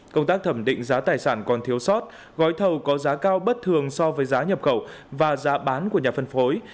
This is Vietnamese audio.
công tác thẩm định giá tài sản còn thiếu sót gói thầu có giá cao bất thường so với giá nhập khẩu và giá bán của nhà phân phối